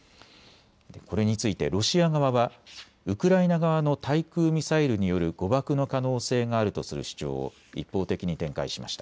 これについてロシア側はウクライナ側の対空ミサイルによる誤爆の可能性があるとする主張を一方的に展開しました。